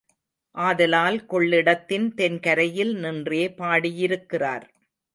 ஆதலால் கொள்ளிடத்தின் தென் கரையில் நின்றே பாடியிருக்கிறார்.